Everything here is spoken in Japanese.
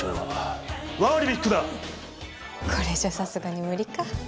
これじゃさすがに無理か。